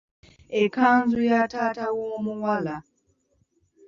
Ekkanzu ya taata w’omuwala.